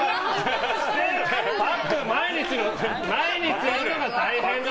パック毎日やるのが大変なの！